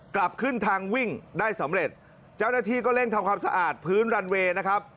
กลับขึ้นทางวิ่งได้สำเร็จเจ้าหน้าที่ก็เร่งทำความสะอาดพื้นรันเวย์นะครับ